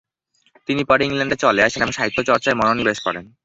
তিনি পরে ইংল্যান্ডে চলে আসেন এবং সাহিত্যচর্চায় মনোনিবেশ করেন।